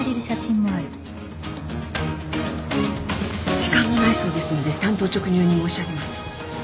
時間もないそうですので単刀直入に申し上げます。